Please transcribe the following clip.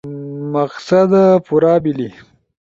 مقصد پورا بیلی